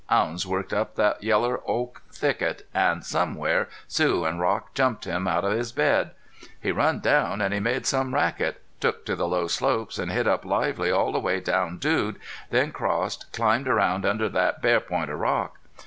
Hounds worked up thet yeller oak thicket, an' somewhere Sue an' Rock jumped him out of his bed. He run down, an' he made some racket. Took to the low slopes an' hit up lively all the way down Dude, then crossed, climbed around under thet bare point of rock.